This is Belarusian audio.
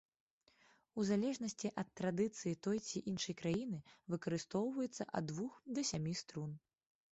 У залежнасці ад традыцыі той ці іншай краіны выкарыстоўваецца ад двух да сямі струн.